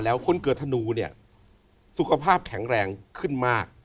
แล้วคนเกิดธนูเนี่ยสุขภาพแข็งแรงขึ้นมาก